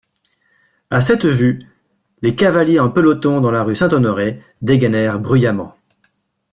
A cette vue, les cavaliers en peloton dans la rue Saint-Honoré dégainèrent bruyamment.